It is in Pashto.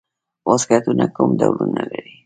واسکټونه کوم ډولونه لري؟